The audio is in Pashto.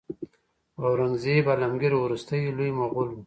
اورنګزیب عالمګیر وروستی لوی مغول و.